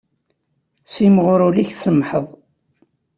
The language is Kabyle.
Simɣur ul-ik tsemmḥeḍ.